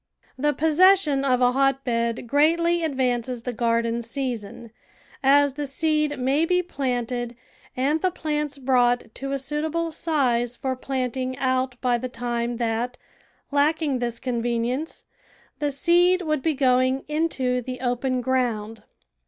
The possession of a hotbed greatly advances the garden season, as the seed may be planted and the plants brought to a suitable size for planting out by the time that, lacking this convenience, the seed would be going into the open ground.